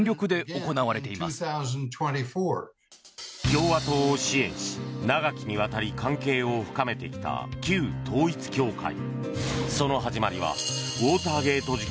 共和党を支援し長きにわたり関係を深めてきた旧統一教会。